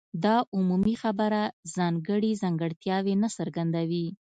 دا عمومي خبره ځانګړي ځانګړتیاوې نه څرګندوي.